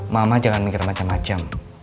mama jangan mikir macam macam